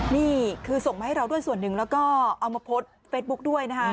นี่คือส่งมาให้เราด้วยส่วนหนึ่งแล้วก็เอามาโพสต์เฟสบุ๊คด้วยนะคะ